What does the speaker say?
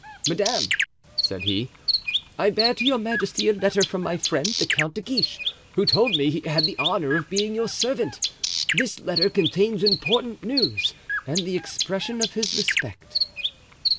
"Madame," said he, "I bear to your majesty a letter from my friend the Count de Guiche, who told me he had the honor of being your servant; this letter contains important news and the expression of his respect."